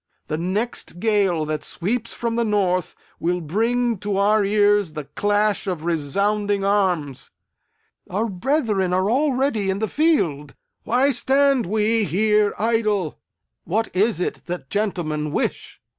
The next gale that sweeps from the north will bring to our ears the clash of resounding arms! Our brethren are already in the field! Why stand we here idle? What is it that gentlemen wish?